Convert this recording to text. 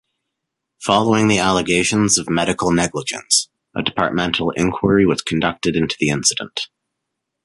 Following the allegations of medical negligence, a departmental inquiry was conducted into the incident.